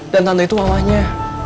dan tante itu allahnya